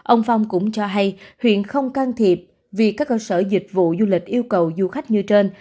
ông phong cũng cho hay huyện không can thiệp vì các cơ sở dịch vụ du lịch yêu cầu du khách như trên